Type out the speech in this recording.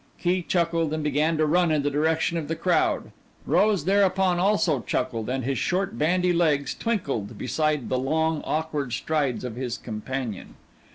Key chuckled and began to run in the direction of the crowd; Rose thereupon also chuckled and his short bandy legs twinkled beside the long, awkward strides of his companion.